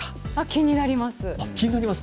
気になります。